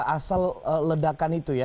asal ledakan itu ya